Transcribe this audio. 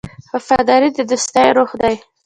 وفاداري د دوستۍ روح دی.